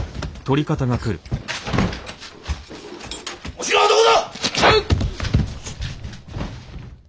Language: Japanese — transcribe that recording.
おしのはどこだ！？